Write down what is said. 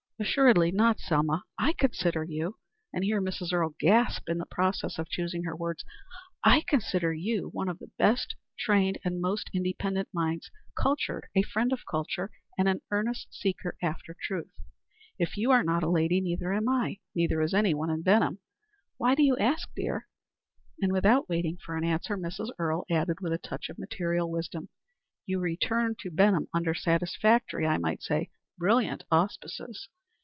"Assuredly not, Selma. I consider you" and here Mrs. Earle gasped in the process of choosing her words "I consider you one of our best trained and most independent minds cultured, a friend of culture, and an earnest seeker after truth. If you are not a lady, neither am I, neither is anyone in Benham. Why do you ask, dear?" And without waiting for an answer, Mrs. Earle added with a touch of material wisdom, "You return to Benham under satisfactory, I might say, brilliant auspices.